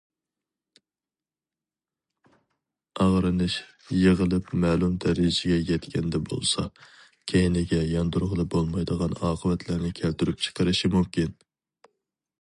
ئاغرىنىش يىغىلىپ مەلۇم دەرىجىگە يەتكەندە بولسا، كەينىگە ياندۇرغىلى بولمايدىغان ئاقىۋەتلەرنى كەلتۈرۈپ چىقىشى مۇمكىن.